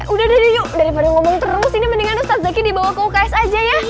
udah deh yuk daripada ngomong terus ini mendingan tazaki dibawa ke uks aja ya